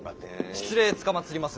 失礼つかまつります。